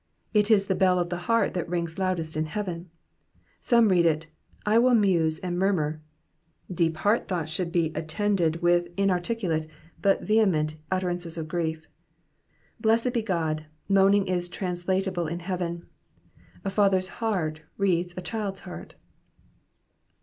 It is the bell of the heart that rings loudest in heaven. Some read it, I will nurse and murmur;" deep heart thoughts should be attended with inarticulate but vehement utterances of grief. Blessed be God, moaning is translatable in heaven. A father^s heart reads a child^s heart.